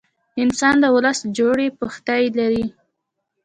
انسان دولس جوړي پښتۍ لري.